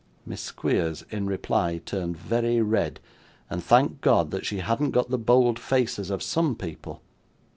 Miss Squeers, in reply, turned very red, and thanked God that she hadn't got the bold faces of some people.